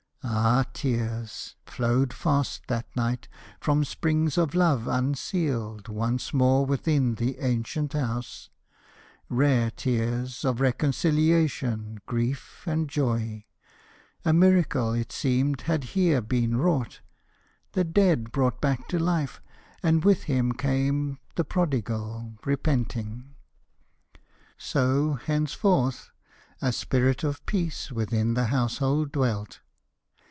Ah, tears Flowed fast, that night, from springs of love unsealed Once more within the ancient house rare tears Of reconciliation, grief, and joy! A miracle, it seemed, had here been wrought, The dead brought back to life. And with him came The prodigal, repenting. So, thenceforth, A spirit of peace within the household dwelt.